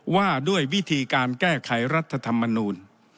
ว่าด้วยวิธีการแก้ไขรัฐธรรมนูล